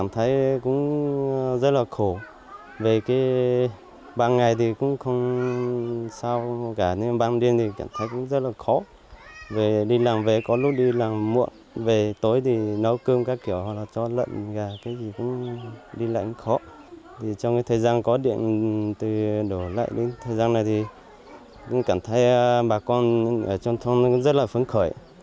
từ đổ lệ đến thời gian này thì cảm thấy bà con ở trong thông rất là phấn khởi